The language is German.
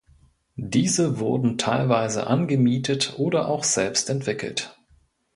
Diese wurden teilweise angemietet oder auch selbst entwickelt.